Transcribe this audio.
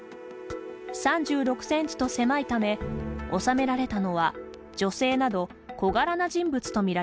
３６センチと狭いため納められたのは女性など小柄な人物と見られます。